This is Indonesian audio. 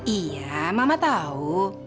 iya mama tahu